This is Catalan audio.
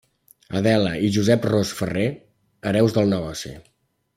Adela i Josep Ros Ferrer, hereus del negoci.